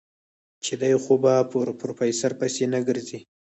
چې دی خو به په پروفيسر پسې نه ګرځي.